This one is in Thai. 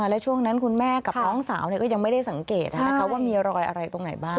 และช่วงนั้นคุณแม่กับน้องสาวก็ยังไม่ได้สังเกตว่ามีรอยอะไรตรงไหนบ้าง